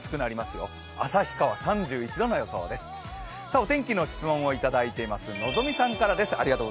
お天気の質問をいただいております、のぞみさんからです。